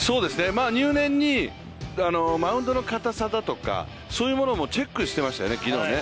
入念にマウンドのかたさだとかそういうものもチェックしてましたよね、昨日ね。